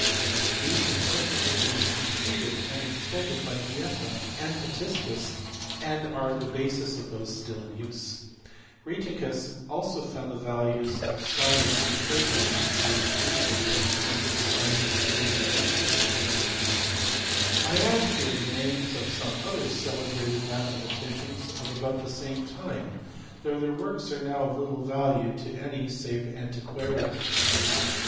These were subsequently completed and extended by Yieta and Pitiscus, and are the basis of those still in use. Rheticus also found the values of sin 20 and sin 30 in terms of sin and cos 0. I add here the names of some other celebrated mathema ticians of about the same time, though their works are now of little value to any save antiquarians.